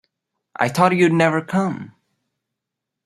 I thought you'd never come!